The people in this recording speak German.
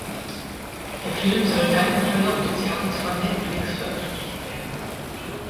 Der Film soll dann im Verlauf des Jahres von Netflix veröffentlicht werden.